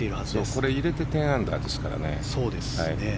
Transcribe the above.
これ入れて１０アンダーですからね。